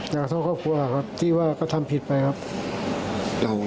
ขอโทษครอบครัวครับที่ว่าก็ทำผิดไปครับ